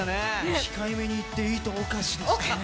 控えめにいって、いとおかしでしたね。